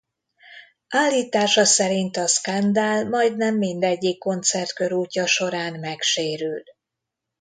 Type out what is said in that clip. Állítása szerint a Scandal majdnem mindegyik koncertkörútja során megsérül.